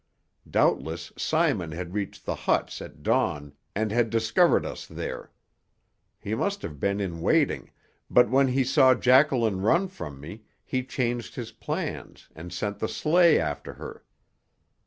Doubtless Simon had reached the huts at dawn and had discovered us there. He must have been in waiting, but when he saw Jacqueline run from me he changed his plans and sent the sleigh after her.